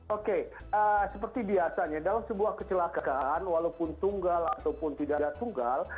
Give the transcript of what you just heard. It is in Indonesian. oke seperti biasanya dalam sebuah kecelakaan walaupun tunggal ataupun tidak ada tunggal